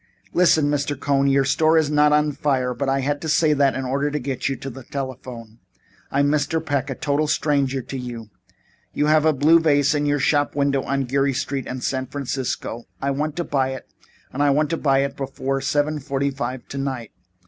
"Listen, Mr. Cohn. Your store is not on fire, but I had to say so in order to get you to the telephone. I am Mr. Peck, a total stranger to you. You have a blue vase in your shop window on Geary Street in San Francisco. I want to buy it and I want to buy it before seven forty five tonight.